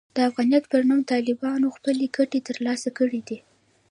د افغانیت پر نوم طالبانو خپلې ګټې ترلاسه کړې دي.